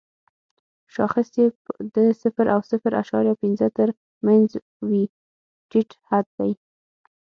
شاخص یې د صفر او صفر اعشاریه پنځه تر مینځ وي ټیټ حد دی.